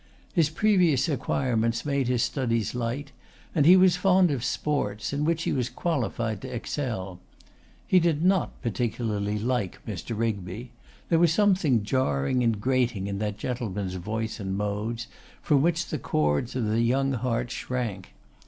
His previous acquirements made his studies light; and he was fond of sports, in which he was qualified to excel. He did not particularly like Mr. Rigby. There was something jarring and grating in that gentleman's voice and modes, from which the chords of the young heart shrank.